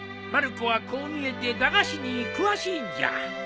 まる子はこう見えて駄菓子に詳しいんじゃ。